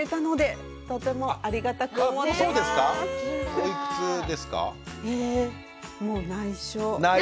おいくつですか？